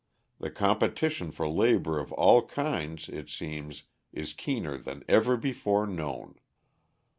The competition for labour of all kinds, it seems, is keener than ever before known.